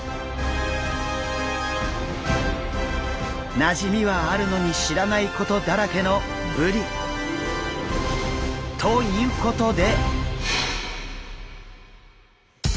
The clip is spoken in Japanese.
なじみはあるのに知らないことだらけのブリ。ということで。